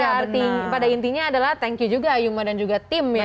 ini pada arti pada intinya adalah thank you juga ayuma dan juga tim ya